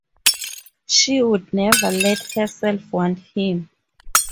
She would never let herself want him.